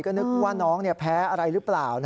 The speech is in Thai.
ก็นึกว่าน้องแพ้อะไรหรือเปล่า